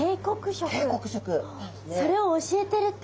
それを教えてるってこと？